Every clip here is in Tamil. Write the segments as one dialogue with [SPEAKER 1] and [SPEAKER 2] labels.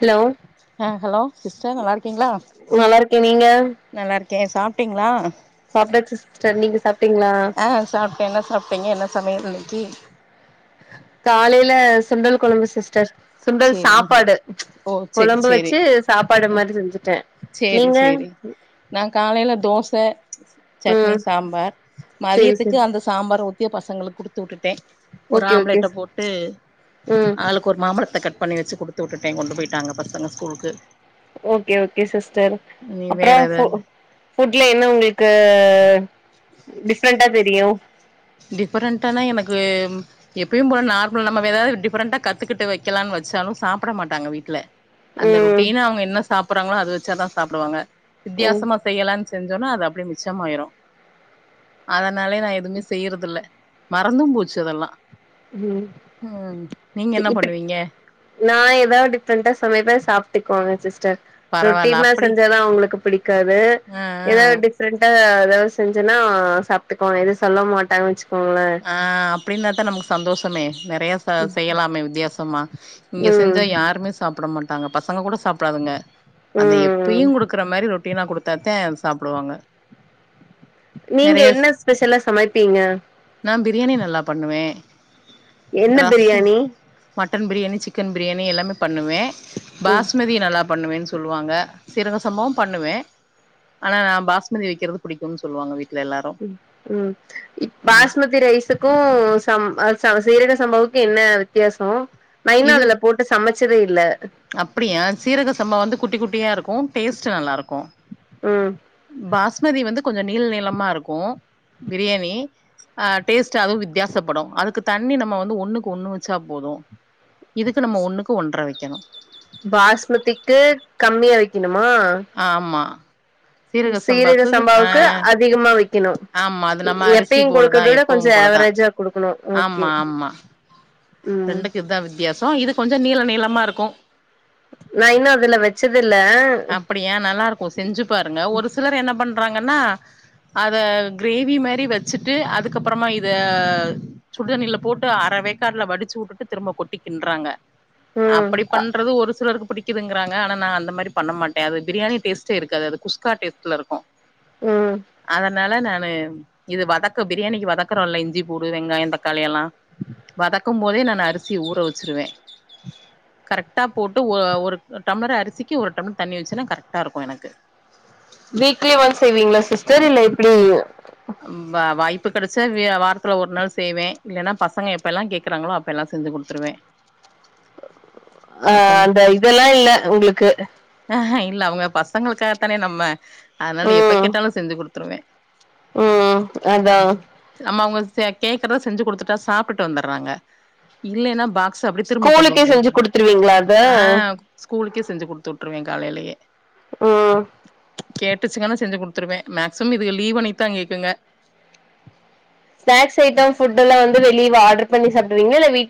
[SPEAKER 1] ஹலோ
[SPEAKER 2] ஆ ஹலோ சிஸ்டர் நல்லா இருக்கீங்ளா
[SPEAKER 1] நல்லா இருக்கே நீங்க
[SPEAKER 2] நல்லா இருக்கே சாப்டீங்ளா
[SPEAKER 1] சாப்டாச்சி சிஸ்டர் நீங்க சாப்டீங்களா
[SPEAKER 2] ஆ சாப்ட்டே என்ன சாப்டிங்க என்ன சமயல் இன்னக்கி
[SPEAKER 1] காலையில சுண்டல் கொழம்பு சிஸ்டர் சுண்டல்
[SPEAKER 2] சேரிங்க
[SPEAKER 1] சாப்பாடு
[SPEAKER 2] ஓ சேரி
[SPEAKER 1] கொழம்பு வெச்சு சாப்பாடு மாரி செஞ்சிட்டே
[SPEAKER 2] செரி செரி நா காலைல தோச சட்னி
[SPEAKER 1] ம்
[SPEAKER 2] சாம்பார்
[SPEAKER 1] சேரி
[SPEAKER 2] மதியத்திக்கு
[SPEAKER 1] சேரி
[SPEAKER 2] அந்த சாம்பார் ஊத்தி பசங்களுக் குடுத்து வுட்டுட்டே ஒரு
[SPEAKER 1] ஓகே ஓகே
[SPEAKER 2] ஆம்ப்லெட்ட போட்டு
[SPEAKER 1] ம்
[SPEAKER 2] ஆளுக் கொர் மாம்பழத்த கட் பண்ணி வெச்சி குடுத்து வுட்டுட்டே கொண்டு போய்ட்டாங்க பசங்க ஸ்கூல்க்கு
[SPEAKER 1] ஓகே ஓகே சிஸ்டர்
[SPEAKER 2] நீ
[SPEAKER 1] அப்பறோ
[SPEAKER 2] வேற ஏதாவது
[SPEAKER 1] ஃபுட்ல என்ன உங்ளுக்கு டிஃப்ரெண்ட்டா தெரியு
[SPEAKER 2] டிஃபரெண்ட்டானா எனக்கு எப்பயு போல நார்மல் நம்ம வேற ஏதாவது டிப்ரெண்டா கத்துக்கிட்டு வைக்கலான் வச்சாலு சாப்ட மாட்டாங்க வீட்ல அந்த
[SPEAKER 1] ம்
[SPEAKER 2] ரொட்டீன் அவங்க என்ன சாப்பட்றாங்ளோ அது வச்சாதா சாப்டுவாங்க
[SPEAKER 1] ம்
[SPEAKER 2] வித்தியாசமா செய்யலான் செஞ்சோனா அது அப்டியே மிச்சமாயிரு அதனாலே நா எதுமே செய்றது இல்ல மறந்தும் போச்சி அதெல்லா
[SPEAKER 1] ம்
[SPEAKER 2] ம் நீங்க என்ன
[SPEAKER 1] இப்ப
[SPEAKER 2] பண்ணுவீங்க
[SPEAKER 1] நா எதாவது டிப்ரெண்டா சமைப்பே சாப்டுக்குவாங்க சிஸ்டர்
[SPEAKER 2] பரவால்ல
[SPEAKER 1] ரொட்டின்னா
[SPEAKER 2] அப்டி
[SPEAKER 1] செஞ்சாதான் அவுங்களுக்கு புடிக்காது
[SPEAKER 2] ஆ
[SPEAKER 1] எதாவது டிப் ரென்ட்டா எதாவது செஞ்சேன்னா சாப்பிட்டுக்குவாங்க எதுவும் சொல்ல மாட்டாங்கனு வெச்சுக்கோங்களே
[SPEAKER 2] ஆ ஆ அப்பிடின்தா நமக்கு சந்தோ சமே நெறய சா செய்யலாமே வித்யாசமா இங்க
[SPEAKER 1] ம்
[SPEAKER 2] செஞ்சா யாருமே சாப்ட மாட் டாங்க பசங்க கூட சாப்டாதுங்க அந்த
[SPEAKER 1] ம்
[SPEAKER 2] எப்பயு குடுக் க்கற மாரி ரொட்டினா குடுத்தா தா சாப்பிடுவாங்க
[SPEAKER 1] நீங்க என்ன ஸ்பெஷலா சமைப்பீங்க
[SPEAKER 2] நா பிரியாணி நல்லா பண்ணுவே
[SPEAKER 1] என்ன
[SPEAKER 2] ரசோ
[SPEAKER 1] பிரியாணி
[SPEAKER 2] மட்டன் பிரியாணி சிக்கன் பிரியாணி எல்லாமே பண்ணுவே
[SPEAKER 1] ம்
[SPEAKER 2] பாஸ்மதி நல்லா பண்ணுவேன் சொல்வாங்க சீரக சம்பாவு பண்ணுவே ஆனா நா பாஸ்மதி வெக்கிறது புடிக்குன் சொல்வாங்க வீட்ல எல்லாரு
[SPEAKER 1] ம் ம் பாஸ்மதி ரைசு கோ சம் அ ச சீரக சம்பாவுக்கு என்ன வித்யாசோ நைனா
[SPEAKER 2] இது
[SPEAKER 1] அதுல போட்டு சமச்சதே இல்ல
[SPEAKER 2] அப்டியா சீரக சம்பா வந்து குட்டி குட்டியா இருக்கு டேஸ்டு நல்லா இருக்கு
[SPEAKER 1] ம்
[SPEAKER 2] பாஸ்மதி வந்து கொஞ்சோ நீள நீளமா இருக்கு பிரியாணி ஆ டேஸ்ட் அதும் வித்யாசப்படு அதுக்கு தண்ணி நம்ம வந்து ஒண்ணுக்கு ஒண்ணு வச்சா போது இதுக்கு நம்ம ஒண்ணுக்கு ஒன்ற வெக்கணு
[SPEAKER 1] பாஸ்மதிக்கு கம்மியா வெக்கணுமா
[SPEAKER 2] ஆமா சீரகசம்பாக்கு ஆ
[SPEAKER 1] சம்பாவுக்கு அதிகமா வைக்கணு
[SPEAKER 2] ஆமா அது நம்ம அரிசி
[SPEAKER 1] எப்பயு குடுக்கறத
[SPEAKER 2] போலதான்
[SPEAKER 1] விட
[SPEAKER 2] எப்
[SPEAKER 1] கொஞ்ச
[SPEAKER 2] பவும் போலதா
[SPEAKER 1] ஆவரேஜா குடுக்கணு ஓகே
[SPEAKER 2] ஆமா ஆமா
[SPEAKER 1] ம்
[SPEAKER 2] ரெண்டுக்கு இத்தா வித்தியாசம் இது கொஞ்சொ நீள நீளமா இருக்கும்
[SPEAKER 1] நான் இன்னும் அதுல வெச்சது இல்ல
[SPEAKER 2] அப்படியா நல்லா இருக்கும் செஞ்சு பாருங்க ஒரு சிலர் என்ன பண்றாங்கன்னா அத கிரேவி மாரி வெச்சுட்டு அதுக்கப்பறமா இத சுடுதண்ணில போட்டு அர வேக்காட்ல வடிச்சு வுட்டுட்டு திரும்ப கொட்டிக்கின்றாங்க
[SPEAKER 1] ம்
[SPEAKER 2] அப்படி பண்றது ஒரு சிலருக்கு புடிக்குதுங்கிறாங்க ஆனா நான் அந்த மாரி பண்ண மாட்டே அது பிரியாணி டேஸ்டே இருக்காது குஸ்கா டேஸ்ட்ல இருக்கும்
[SPEAKER 1] ம்
[SPEAKER 2] அதனால நானு இது வதக்க பிரியாணிக்கு வதக்கறோம்ல்ல இஞ்சி பூண்டு வெங்காயம் தக்காளி எல்லாம் வதக்கும் போதே நான் அரி சி ஊற வெச்சுருவே கரெக்டா போட்டு ஒ ஒரு டம்ளர் அரிசிக்கு ஒரு டம்ளர் தண்ணி வெச்சுருவே கரெக்டா இருக்கும் எனக்கு
[SPEAKER 1] வீக்லி ஒன்ஸ் செய்வீங்ளா சிஸ்டர் இல்ல எப்பிடி
[SPEAKER 2] வாய்ப்பு கிடைச்ச வாரத்துல ஒரு நாள் செய்வே இல்லைன்னா பசங்க எப்பெல்லாம் கேக்குறாங்களோ அப்ப எல்லாம் செஞ்சு குடுத்துருவேன் [inaudible]
[SPEAKER 1] ஆ அந்த இதெல்லா இல்ல உங்குளுக்கு
[SPEAKER 2] அ இல்ல அவுங்க பசங்களுக்காகத்தானே நம்ம அதனால எப்ப
[SPEAKER 1] ம்
[SPEAKER 2] கேட்டாலும் செஞ்சு குடுத்துருவே
[SPEAKER 1] ம் அதா
[SPEAKER 2] ம் நம்ம அவுங்க கேக்குறத செஞ்சு குடுத்துட்டா சாப்ட்டு வந்துடுறாங்க இல்லன்னா பாக்
[SPEAKER 1] ஸ்கூலுக்கே செஞ்சு குடுத்துருவீங்களா அத
[SPEAKER 2] ஆ ஸ்கூலுக்கே செஞ்சு கொடுத்து வுட்டுருவே காலையிலயே
[SPEAKER 1] ம்
[SPEAKER 2] கேட்டுச்சுங்கனா செஞ்சு கொடுத்துருவே மேக்சிமம் இதுங்க லீவ் அண்ணக்கி தா கேக்குங்க
[SPEAKER 1] ஸ்நாகஸ் ஐட்டம் ஃபுட்டு எல்லா வந்து வெளிவ ஆர்டர் பண்ணி சாப்டுவீங்களா இல்ல வீட்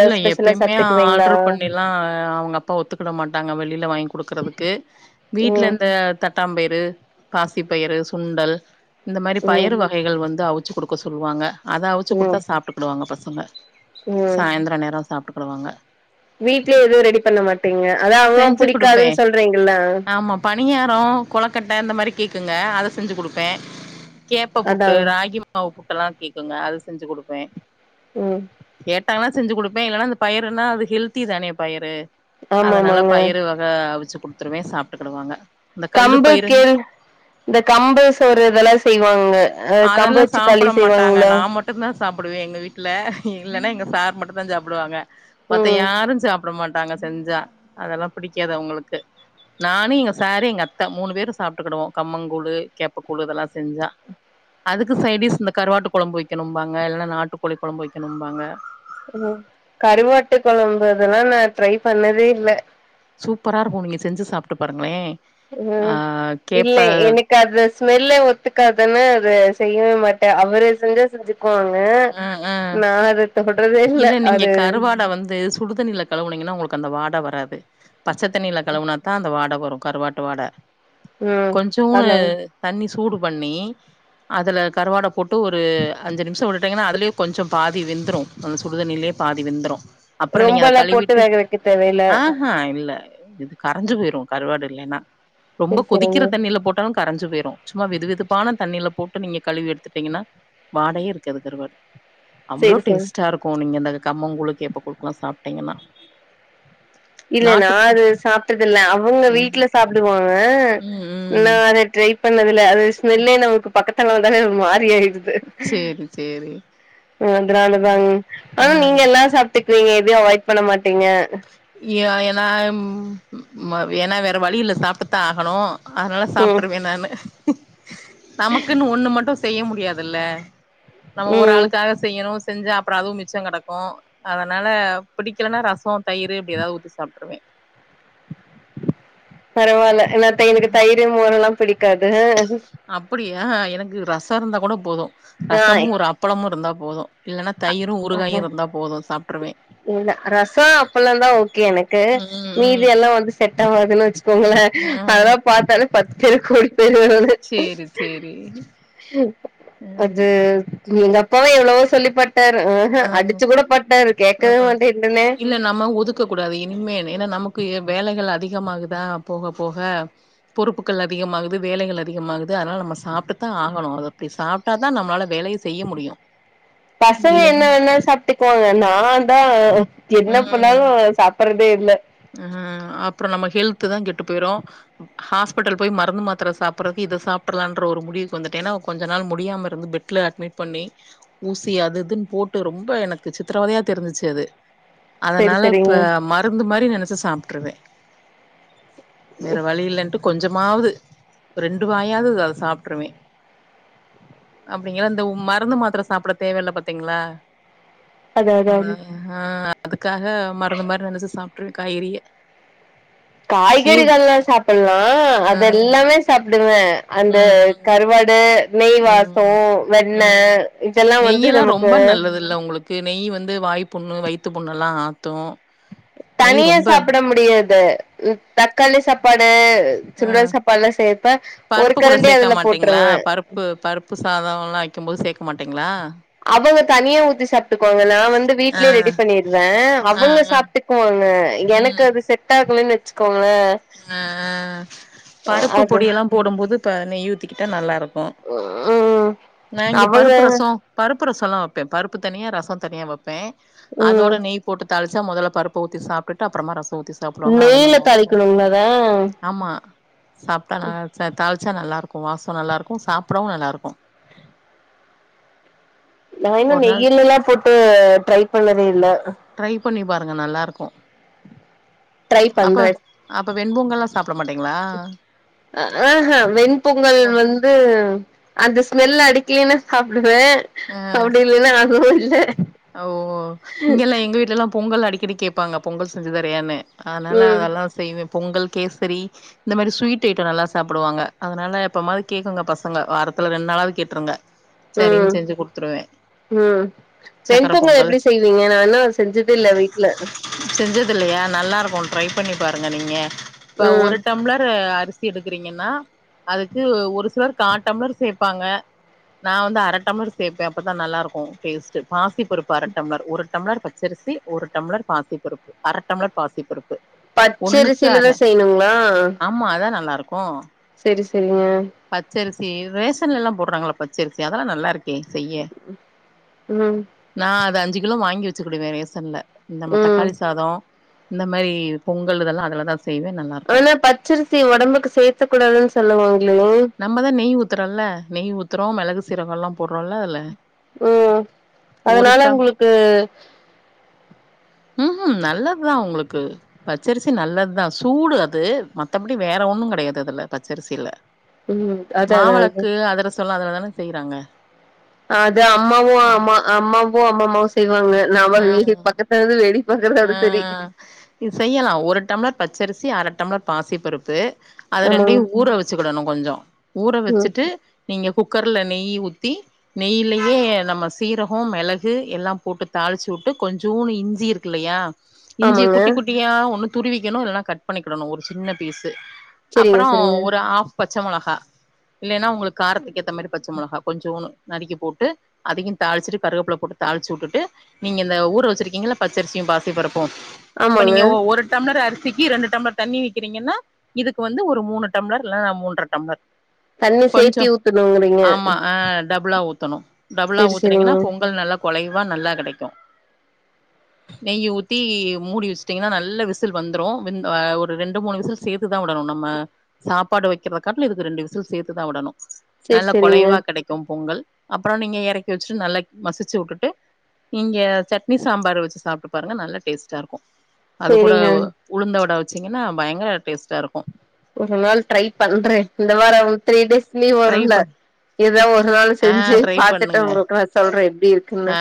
[SPEAKER 2] இல்ல எப்பயுமே ஆர்டரு பண்ணிலா அவுங்க அப் பா ஒத்துக்கிட மாட்டாங்க வெளியில வாங்கி குடுக்கறதுக்கு வீட்ல
[SPEAKER 1] ம்
[SPEAKER 2] அந்த தட் பத்தாம்பயிறு பாசிப்பயிறு சுண்டல் இந்த மாரி
[SPEAKER 1] ம்
[SPEAKER 2] பயறு வகைகள் வந்து அவுச்சு குடுப் க சொல்லுவாங்க அத அவுச்சு
[SPEAKER 1] ம்
[SPEAKER 2] குடுத்தா சாப்ட்டுக்கிடுவாங்க பசங்க
[SPEAKER 1] ம்
[SPEAKER 2] சாய்ந்திர நேரோ சாப்ட்டுக்கிடுவாங்க
[SPEAKER 1] வீட்லயே எதுவு ரெடி பண்ண மாட்டீங்க அதா அவ்ளோவா
[SPEAKER 2] செஞ்சு குடுப்பே
[SPEAKER 1] புடிக்காதுன் சொல்றீங்கல்ல
[SPEAKER 2] ஆமா பணியாரோ கொலக்கட்டை இந்த மாரி கேக்குங்க அத செஞ்சு குடுப்பே கேப்ப
[SPEAKER 1] அதா
[SPEAKER 2] புட்டு ராகி மாவு புட்டல்லா கேக்குங்க அத செஞ்சு குடுப்பே
[SPEAKER 1] ம்
[SPEAKER 2] கேட்டாங்கன்னா செஞ்சு குடுப்பே இல்லன்னா இந்த பயிர்னா அது ஹெல்தி தானே பயரு
[SPEAKER 1] ஆமா
[SPEAKER 2] அதனால
[SPEAKER 1] ஆமாங்க
[SPEAKER 2] பயிரு வக அவிச்சு குடுத்துருவே சாப்ட்டுக்கிடுவாங்க இந்த கல்லு
[SPEAKER 1] கம்பு
[SPEAKER 2] பயிருன்
[SPEAKER 1] கேழ் இந்த கம்பு சோறு இதெல்லா செய்வாங்க கம்பு
[SPEAKER 2] அதெல்லா
[SPEAKER 1] வச்சு களி
[SPEAKER 2] சாப்ட மாட்டாங்க
[SPEAKER 1] செய்வாங்கள
[SPEAKER 2] நா மட்டுந்தா சாப்டுவே எங்க வீட்ல இல்லனா எங்க சார் மட்டு தா சாப்டுவாங்க மத்த
[SPEAKER 1] ம்
[SPEAKER 2] யாரு சாப்ட மாட்டாங்க செஞ்சா அதெல்லா புடிக்காது அவுங்களுக்கு நானு எங்க சாரு எங்க அத்த மூணு பேரும் சாப்ட்டுகிடுவோ கம்மங்கூழு கேப்பக்கூழு இதெல்லா செஞ்சா அதுக்கு சைடிஸ் இந்த கருவாட்டு கொழம்பு வைக்கணும்பாங்க இல்ல நாட்டுக்கோழி கொழம்பு வைக்கணும்பாங்க
[SPEAKER 1] ம் கருவாட்டு கொழம்பு இதெல்லா நா ட்ரை பண்ணதே இல்ல
[SPEAKER 2] சூப்பரா இருக்கு நீங்க செஞ்சு சாப்ட்டு பாருங்களே ஆ
[SPEAKER 1] ம் இல்ல
[SPEAKER 2] கேப்ப
[SPEAKER 1] எனக் கே அந்த ஸ்மெல்லே ஒத்துக்காதுனு அத செய்யவே மாட்டே அவரு செஞ்சா செஞ்சுட் க்குவாங்க
[SPEAKER 2] ஆ ஆ
[SPEAKER 1] நா அத தொடுறதே இல்ல அது
[SPEAKER 2] கருவாட வந்து சுடுதண்ணிலக் கழுவுனீங்கன்னா உங்களுக்கு அந்த வாட வராது பச்ச தண்ணில கழவுனாத்தா அந்த வாட வரு கருவாட்டு வாட
[SPEAKER 1] ம்
[SPEAKER 2] கொஞ்சூனு
[SPEAKER 1] அதாங்
[SPEAKER 2] தண்ணி சூடு பண்ணி அதுல கருவாட போட்டு ஒரு அஞ்சு நிமிஷ விடு டிங்கனா அதுலய கொஞ்ச பாதி வெந்துரு அந்த சுடுதண்ணிலேயே பாதி வெந்துரு அப்புற நீங்க அத
[SPEAKER 1] ரொம்பல்லா போட்டு
[SPEAKER 2] கழுவிட்டு
[SPEAKER 1] வேக வைக்க தேவையில்ல
[SPEAKER 2] ஆஹா இல்ல இது கரஞ்சு போயிரு கருவாடு இல்லைன்னா ரொம்ப
[SPEAKER 1] செரி செரிங்க
[SPEAKER 2] கொதிக்கிற தண்ணியில போட்டாலு கரஞ்சு போயிரு சும்மா வெது வெதுப்பான தண்ணியில போட்டு நீங்க கழுவி எடுத்துட்டீங்கன்னா வாடையே இருக் காது கருவாடு அவ்ளோ
[SPEAKER 1] செரி செரி
[SPEAKER 2] டேஸ்ட்டா இருக்கு நீங்க இந்த கம்மங்கூல் கேப்ப கூலுக்கெல்லா சாப்ட்டீங்கன்னா
[SPEAKER 1] இல்ல நா
[SPEAKER 2] நாட்டுக்கு
[SPEAKER 1] அது சாப்ட்டது இல்ல அவங்க
[SPEAKER 2] அ
[SPEAKER 1] வீட்ல சாப்டுவாங்க
[SPEAKER 2] ம் ம்
[SPEAKER 1] நா அதை ட்ரை பண்ணதுல அது ஸ்மெல்லே நமக்கு பக்கத்துல வந்தாலே மாறி ஆயிடு
[SPEAKER 2] சேரி சேரி
[SPEAKER 1] அதனாலதாங்
[SPEAKER 2] ஆ
[SPEAKER 1] ஆனா நீங்க எல்லா சாப் டுக்வீங்க எதையு அவாய்ட் பண்ண மாட்டீங்க
[SPEAKER 2] ஏ ஏனா ம் ஏனா வேற வழியில்ல சாப்ட்டுதா ஆகணு அதனால
[SPEAKER 1] ம்
[SPEAKER 2] சாப்ட்ருவே நானு நமக்குன் ஒண்ணு மட்டு செய்ய முடியாதுல்ல நம்ம ஒரு
[SPEAKER 1] ம்
[SPEAKER 2] ஆளுக்காக செய்யணு செஞ்சா அப்புற அதுவு மிச்ச கெடக்கு அதனால பிடிக்கலனா ரசோ தயிரு அப்டி ஏதாது ஊத்தி சாப் ருவே
[SPEAKER 1] பரவால்ல நா எனக்கு தயிரு மோரல்லா பிடிக்காது
[SPEAKER 2] அப்படியா எனக்கு ரச இருந்தா கூட போது
[SPEAKER 1] ஆ
[SPEAKER 2] ரசமு ஒரு அப்பளமு இருந்தா கூட போது இல்லன்னா தயிரு
[SPEAKER 1] ஆஹ
[SPEAKER 2] ஊறுகாயு இருந்தா போது சாப்ட்ருவே
[SPEAKER 1] இல்ல ரசொ அப்பல்லோர்ந்தா ஓகே எனக்கு மீதி
[SPEAKER 2] ம்
[SPEAKER 1] எல்லா வந்து செட் ஆவாதுன்னு வச்சு கோங்கள
[SPEAKER 2] ம் ஆ
[SPEAKER 1] அதல்லா பார்த்தாலே பத்து தெருக்கு ஓடி பேயிர்வே நானூ
[SPEAKER 2] சேரி சேரி
[SPEAKER 1] அது
[SPEAKER 2] ம்
[SPEAKER 1] எங்க அப்பாவூ எவ்வளவோ சொல்லிப் பார்த்தாரு
[SPEAKER 2] ஆ
[SPEAKER 1] அடிச்சு கூட பாட்டாரு
[SPEAKER 2] ஆ
[SPEAKER 1] கேட்கவே மாட்டேட்டுன்னே
[SPEAKER 2] இல்ல நம்ம ஒதுக் கக் கூடாது இனிமே ஏன்னா நமக்கு வேலைகள் அதிகமாகுதா போக போக பொறுப்புகள் அதிகமாகுது வேலைகள் அதிகமாகுது அதனால நம்ம சாப்பிட்டு தா ஆகணும் அது அப்டி சாப் டா தா நம்மலால வேலையே செய்ய முடியூ
[SPEAKER 1] பசங்க என்ன வேணாலூ சாப்பிட்டுக்குவாங்க நா தா என்ன பண்ணாலூ சாப்பட்றதே இல்ல
[SPEAKER 2] அ ஹாங் அப்புறோ நம்ம ஹெல்து தா கெட்டு போயிறோ ஹாஸ்பிட்டல் போய் மருந்து மாத்திர சாப்பட்றதுக்கு இத சாப்பிடலான்ற ஒரு முடிவுக்கு வந்துட்டே ஏன்னா கொஞ்ச நாள் முடியாம இருந்து பெட் ல அட்மிட் பண்ணி ஊசி அது இதுன்னு போட்டு ரொம்ப எனக்கு சித்திரவதையா தெரிஞ்சிச்சு அது
[SPEAKER 1] செரி
[SPEAKER 2] அதனால இப்ப
[SPEAKER 1] செரிங்க
[SPEAKER 2] மருந்து மாரி நெனைச்சு சாப்பிட்டுருவே வேற வழி இல்ன்ட்டு கொஞ்சமாவது ரெண்டு வாயாவது அத சாப்பிட்டுருவே அப்படிங்களா இந்த மருந்து மாத்ர சாப்பிட தேவையில்ல பாத்தீங்களா
[SPEAKER 1] அதா
[SPEAKER 2] நம்ம
[SPEAKER 1] அதா
[SPEAKER 2] ஆ அதுக்காக மருந்து மாரி நெனைச்சு சாப்பிட்டுருவே காய்கரீக
[SPEAKER 1] காய்கறிகள்ல்லா சாப்பட்லா
[SPEAKER 2] ஆ
[SPEAKER 1] அதெல்லாமே சாப்பிடுவே அந்த
[SPEAKER 2] ம் ம்
[SPEAKER 1] கருவாடு நெய் நெய்
[SPEAKER 2] ம்
[SPEAKER 1] வாசொ வெண்ணே
[SPEAKER 2] ம்
[SPEAKER 1] இதெல்லா வந்து நமக்கு
[SPEAKER 2] இல்ல உங்களுக்கு நெய் வந்து வாய் புண்ணு வயத்து புண்ணுல்லா ஆத்தும்
[SPEAKER 1] தனியா சாப்பிட முடியாது தக்காளி சாப்பாடு
[SPEAKER 2] ஆ
[SPEAKER 1] சுட சாப்ப பழம் சேர்பே ஒரு கரண்டி அதுல போட்டுருவே
[SPEAKER 2] ப்பு பருப்பு சாதோல்லா வைக்கும் போது சேக்க மாட்டீங்களா
[SPEAKER 1] அவங்க தனியா ஊத்தி சாப்பிட்டுக்குவாங்க நா வந்து
[SPEAKER 2] ஆ
[SPEAKER 1] வீட்லயே ரெடி பண்ணிருவே
[SPEAKER 2] ஆ
[SPEAKER 1] அவங்க
[SPEAKER 2] ஆ
[SPEAKER 1] சாப்ட்டு போங்க எனக்கு அது செட் ஆகலன்னு வெச்சுக்
[SPEAKER 2] அ ஆ பருப்பு
[SPEAKER 1] அது
[SPEAKER 2] பொடி எல்லா போடும்போது இப்ப நெய் யூத்திக்கிட்டா நல்லா இருக்கோ
[SPEAKER 1] ம்
[SPEAKER 2] நா இங்க
[SPEAKER 1] அவங்க
[SPEAKER 2] பருப்பு ரசோ பருப்பு ரசோம்ல்லா வெப்பேன் பருப்பு தனியா ரசம் தனியா வைப்பேன் அதோட
[SPEAKER 1] ம்
[SPEAKER 2] நெய் போட்டு தாளிச்சா முதல்ல பருப்பு ஊத்தி சாப்புட்டு அப்புறமா ரசோ ஊத்தி சாப்டுவாங்க அது
[SPEAKER 1] நெய்ல
[SPEAKER 2] நல்லா இருக்கு
[SPEAKER 1] தாளிக்குனங்குலா அதே
[SPEAKER 2] ஆமா சாப்பிட்டா நல்லாருன்சா தாளிச்சா நல்லாருக்கும் வாசோ நல்லா இருக்கோ சாப்பிடவும் நல்லா இருக்கோ
[SPEAKER 1] நா இன்னூ
[SPEAKER 2] ஒரு நாள்
[SPEAKER 1] நெய்யிலல்லா போட்டு ட்ரை பண்ணதே இல்ல
[SPEAKER 2] ட்ரை பண்ணி பாருங்க நல்லா இருக்கோ
[SPEAKER 1] ட்ரை
[SPEAKER 2] அப்ப
[SPEAKER 1] பண்றே
[SPEAKER 2] அப்ப வெண் பொங்கல்லா சாப்பிட மாட்டீங்களா
[SPEAKER 1] ஹ ஹா வெண் பொங்கல் வந்து அந்த ஸ்மெல் அடிக்கலின்னா சாப்பிடுவே
[SPEAKER 2] ஆ
[SPEAKER 1] அப்படில்லன்னா அதுவூ இல்ல
[SPEAKER 2] ஓ இங்கெல்லா எங்க வீட்டுலல்லா பொங்கல் அடிக்கடி கேட்பாங்க பொங்கல் செஞ்சு தரையான்னு அதனால
[SPEAKER 1] ம்
[SPEAKER 2] அதெல்லா செய்வே பொங்கல் கேசரி இந்த மாரி ஸ்வீட் ஐட்டே நல்லா சாப்பிடுவாங்க அதனால எப்பமாது கேக்குங்க பசங்க வாரத்துல ரெண்டு நாளாவது கேட்டுறுங்க செரின்
[SPEAKER 1] ம்
[SPEAKER 2] செஞ்சு குடுத்துருவே
[SPEAKER 1] ம் வெண் பொங்கல் எப்டி செய்வீங்க நா ஆனா செஞ்சதே இல்ல வீட்ல
[SPEAKER 2] செஞ்சது இல்லியா நல்லா இருக்கே ட்ரை பண்ணி பாருங்க நீங்க இப்ப
[SPEAKER 1] ம்
[SPEAKER 2] ஒரு டம்ளர் அரி சி எடுக்கறீங்கன்னா அதுக்கு ஒரு சிலர் கா டம்பளர் சேர்ப்பாங்க நா வந்து அரட்டம்ளர் சேப்பன் அப்பதா நல்லா இருக்கோ டேஸ்ட் பாசிப்பருப்பு அர டம்பளர் ஒருத் டம்ளர் பச்சரிசி ஒரு டம்ளர் பாசிப்பருப்பு அர டம்ளர் பாசிப்பருப்பு ஒன்னுக்கு அர
[SPEAKER 1] பச்சரிசிலதா செய்யணுங்களா
[SPEAKER 2] ஆமா அதா நல்லார்க்கு
[SPEAKER 1] செரி செரிங்க
[SPEAKER 2] பச்சரிசி ரேஷன்லல்லாம் போர்றாங்கல்ல பச்சரிசி அதலா நல்லாருக்கே செய்ய
[SPEAKER 1] ம்
[SPEAKER 2] நா அத அஞ்சு கிலோ வாங்கி வெச்சுகிடுவே ரேசன்ல இன் நம்ம
[SPEAKER 1] ம்
[SPEAKER 2] தக்காளி சாதோ இந்த மேரி பொங்கல் இதெல்லா அதுலதா செய்வே நல்லாருக்கு
[SPEAKER 1] ச்சரிசி ஒடம்புக்கு சேத்தக் கூடாதுன் சொல்லுவாங்லே
[SPEAKER 2] நம்பதா நெய் ஊத்தறல்ல நெய் ஊத்றோ மெளகு சீரகல்லா போட்றோல்ல அதல
[SPEAKER 1] ம் அதனால உங்ளுக்கு
[SPEAKER 2] ம் ம் நல்லத்தா உங்ளுக்கு பச்சரிசி நல்லத்தா சூடு அது மத்தப்டி வேற ஒன்னுங் கெடையாது அதுல பச்சரிசில
[SPEAKER 1] ம் அதா அதா அதா
[SPEAKER 2] மாவெளக்கு அதுரசலா அதுலதானே செய்றாங்க
[SPEAKER 1] அது அம்மாவு அம்மா அம்மாவு அம்மம்மாவு செய்வாங்க நாம
[SPEAKER 2] ஆ
[SPEAKER 1] வீகிப் பக்கத்துலது வேடிக் பாக்கறதோட செரி
[SPEAKER 2] ஆ இது செய்யலா ஒரு டம்ளர் பச்சரிசி அர டம்ளர் பாசிப்பருப்பு அத
[SPEAKER 1] ஆமாங்க
[SPEAKER 2] ரெண்டையு ஊற வெச்சுக்கிடணு கொஞ்சோ ஊற
[SPEAKER 1] ம்
[SPEAKER 2] வெச்சுட்டு நீங்க குக்கர்ல நெய்யி ஊத்தி நெய்யிலயே நம்ம சீரகோ மெளகு எல்லாம் போட்டுத் தாளிச்சு வுட்டு கொஞ்சூனு இஞ்சி இருக்கில்லையா இஞ்சியக்
[SPEAKER 1] ஆமாங்க
[SPEAKER 2] குட்டி குட் டியா ஒன்னுத் துருவிக்கிணு இல்னா கட் பண்ணிக்கிடணு ஒரு சின்ன பீசு
[SPEAKER 1] சரிங்க
[SPEAKER 2] அப்பறோ
[SPEAKER 1] சரிங்க
[SPEAKER 2] ஒரு ஆஃப் பச்சமொளகா இல்லேனா உங்ளுக் காரத்துக்கு ஏத்த மாரிப் பச்சமொளகா கொஞ்சூனு நறுக்கி போட்டு அதையுந் தாளிச்சிட்டு கருவேப்லப் போட்டு தாளிச்சு வுட்டுட்டு நீங்க இந்த ஊர வெச்சிருக்கீங்கில்ல பச்சரிசியும் பாசிபருப்பு இப்ப
[SPEAKER 1] ஆமாங்க
[SPEAKER 2] நீங்க ஒ ஒருட் டப்ளர் அரிசிக்கு ரெண்டு டம்ளர் தண்ணி விக்கிறீங்கின்னா இதுக்கு வந்து ஒரு மூனு டளர் இல்லனா மூன்றட்
[SPEAKER 1] தண்ணி சேத்தி ஊத்துணு
[SPEAKER 2] ஆமா அ டபுளா ஊத்தணு டபுளா
[SPEAKER 1] சரி சரிங்க
[SPEAKER 2] ஊத்தனீங்கனா பொங்கல் நல்லாக் கொலைவா நல்லா கெடைக் க்கு நெய்யி ஊத்தி மூடி வெச்ட்டீங்கனா நல்ல விசில் வந்துரு வெந் அ ஒரு ரெண்டு மூனு விசில் சேத்துதா விடணு நம்ம சாப்பாடு வெக்கிறதக்காட்ல இதுக்கு ரெண்டு விசில் சேத்துதா விடணு
[SPEAKER 1] சரி
[SPEAKER 2] நல்லாக்
[SPEAKER 1] சரிங்க
[SPEAKER 2] கொலைவாக் கெடைக்கும் பொங்கல் அப்றோ நீங்க எறக்கி வெச்சுட்டு நல்லாக் மசிச்சு வுட்டுட்டு நீங்க சட்னி சாம்பார் வெச்சு சாப்ட்டு பாருங்க நல்ல டேஸ்ட்டா இருக்கு அது கூட
[SPEAKER 1] சரிங்க
[SPEAKER 2] ஒ உளுந்த வட வெச்சிங்கன்னா பயங்கர டேஸ்ட்டாருக்கு
[SPEAKER 1] ஒரு நாள் ட்ரைப் பண்றே இந்த வாரோ த்ரீ டேஸ் லீவு
[SPEAKER 2] ட்ரை
[SPEAKER 1] வருல்ல
[SPEAKER 2] பண்
[SPEAKER 1] எதா ஒரு நாள்
[SPEAKER 2] ஆ
[SPEAKER 1] செஞ்சு
[SPEAKER 2] ட்ரை
[SPEAKER 1] பாத்துட்டு
[SPEAKER 2] பண்ணுங்க
[SPEAKER 1] உங்ளுக்கு நா சொல்றே எப்டி இருக்குன்னு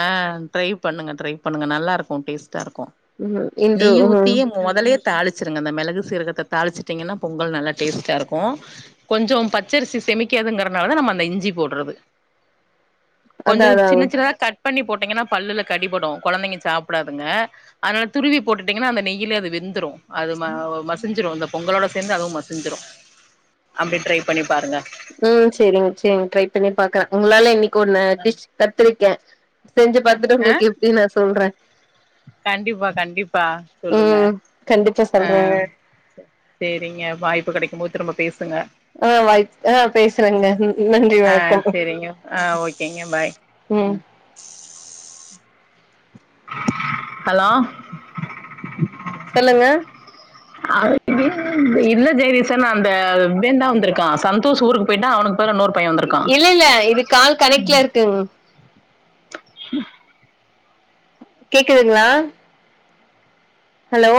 [SPEAKER 2] ட்ரைப் பண்ணுங்க ட்ரைப் பண்ணுங்க நல்லா இருக்கு டேஸ்டா இருக்கு
[SPEAKER 1] ம் இன்று
[SPEAKER 2] நெய்யி
[SPEAKER 1] ம்
[SPEAKER 2] ஊத்தியேமு மொதலியேத் தாளிச்சிருங்க அந்த மெளகு சீரகத்த தாளிச்சுட்டீங்கனா பொங்கல் நல்லா டேஸ்ட்டா இருக்கு கொஞ்சம் பச்சரிசி செமிக் க்காதுங்கிறனாலாதா நம்ம அந்த இஞ்சி போட்றது கொஞ்சோ
[SPEAKER 1] அதா
[SPEAKER 2] சின்ன
[SPEAKER 1] அதாங்க
[SPEAKER 2] சின்னதாக் கட் ட் பண்ணி போட்டீங்கனா பல்லுல கடிபடு கொழந்தைங்க சாப்டாதுங்க அதனால துருவி போட்டுட்டீங்கனா அந்த நெய்யிலே அது வெந்துரு அது ம மசிஞ்சுரு இந்தப் பொங்கலோட சேந்து அதுவும் மசிஞ்சுரு அப்டி ட்ரைப் பண்ணி பாருங்க
[SPEAKER 1] ம் சேரிங்க சேங் ட்ரைப் பண்ணி பாக்றே உங்ளால இன்னைக்கு ஒன்னு டிஷ் கத்துருக்கே செஞ்சு
[SPEAKER 2] அ
[SPEAKER 1] பாத்துட்டு
[SPEAKER 2] ஆ
[SPEAKER 1] உங்ளுக்கு எப்டி நா சொல்றே
[SPEAKER 2] கண்டிப்பா கண்டிப்பா சொல்லுங்க
[SPEAKER 1] ம் கண்டிப்பா
[SPEAKER 2] அ
[SPEAKER 1] சொல்றேங்க
[SPEAKER 2] சேரிங்க வாய்ப்பு கெடைக்கும் போது திரும்ப பேசுங்க
[SPEAKER 1] ஆ வாய் ஆ பேசுறேங்க நன்றி
[SPEAKER 2] ஆ
[SPEAKER 1] வணக்கம்
[SPEAKER 2] சேரிங்க ஆ ஓகேங்க பாய் [inaudible]
[SPEAKER 1] ம்
[SPEAKER 2] ஹலோ [inaudible]
[SPEAKER 1] சொல்லுங்க
[SPEAKER 2] இல்ல ஜெகதீசன் ந அந்த இவன் தா வந்திருக்கான் சந்தோஷ் ஊருக்கு போயிட்டான் அவனுக்கு அப்பர இன்னோர் பையே வந்து
[SPEAKER 1] இல்ல இல்ல இது கால் கணைட்ல இருக்கு மேம் கேக்குதுங்ளா ஹலோ